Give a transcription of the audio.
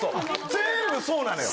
全部そうなのよ。